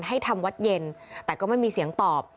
ให้ทำวัดเย็นแต่ก็ไม่มีเสียงตอบ